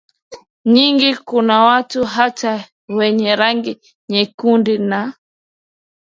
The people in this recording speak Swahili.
nyingi kuna watu hata wenye rangi nyekundu na